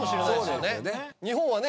日本はね